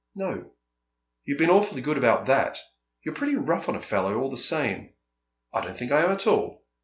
"No. You've been awfully good about that. You're pretty rough on a fellow, all the same!" "I don't think I am at all."